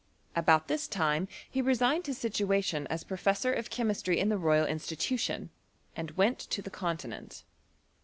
About this time he resigned his situation as professor of chemistry in the Royal Institution, and went to the continent.